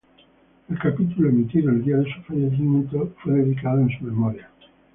El capítulo emitido el día de su fallecimiento fue dedicado en su memoria.